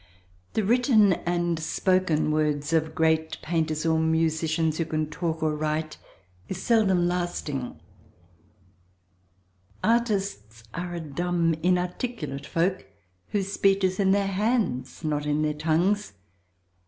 The written and spoken words of great painters or musicians who can talk or write is seldom lasting—artists are a dumb inarticulate folk, whose speech is in their hands not in their tongues.